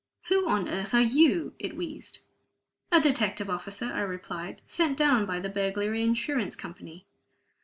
"Who on earth are you?" it wheezed. "A detective officer," I replied, "sent down by the Burglary Insurance Company."